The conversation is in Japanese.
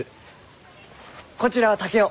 こちらは竹雄。